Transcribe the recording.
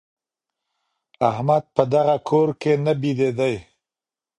احمد په دغه کور کي نه بېدېدی.